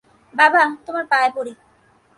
বাবা, তোমায় পায়ে পড়ি!